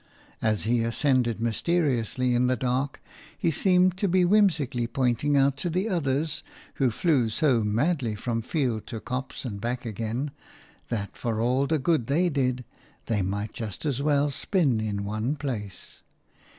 As he ascended mysteriously in the dark, he seemed to be whimsically pointing out to the others, who flew so madly from field to copse and back again, that for all the good they did, they might just as well spin in one place.